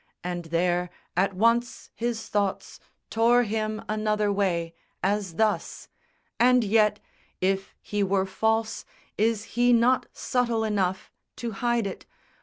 And there, at once, his thoughts Tore him another way, as thus, "And yet If he were false, is he not subtle enough To hide it?